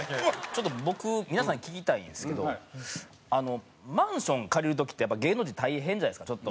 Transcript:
ちょっと僕皆さんに聞きたいんですけどマンション借りる時ってやっぱ芸能人大変じゃないですか。